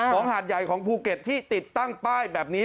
หาดใหญ่ของภูเก็ตที่ติดตั้งป้ายแบบนี้